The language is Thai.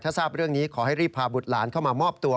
ถ้าทราบเรื่องนี้ขอให้รีบพาบุตรหลานเข้ามามอบตัว